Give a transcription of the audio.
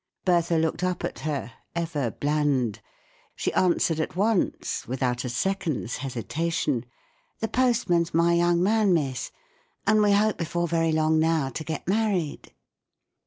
" Bertha looked up at her, ever bland; she answered at once, without a second's hesi¬ tation : "The postman's my young man, miss; and we hope before very long now to get married."